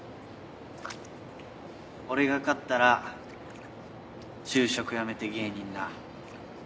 俺が勝ったら就職やめて芸人な。